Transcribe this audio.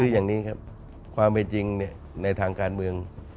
คืออย่างนี้ครับความเป็นจริงในทางการเมือง